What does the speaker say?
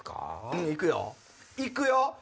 うんいくよいくよ！